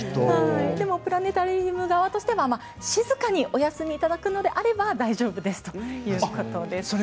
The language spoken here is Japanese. でもプラネタリウム側としては静かにお休みいただくのであれば大丈夫ですということです。